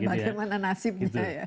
kalau kita rubah kpi tadi itu